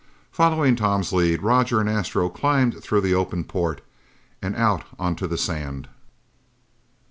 Following Tom's lead, Roger and Astro climbed through the open port and out onto the sand.